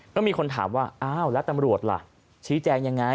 ก็มีคนถามว่าอ้าวแล้วตำรวจล่ะชี้แจงยังไง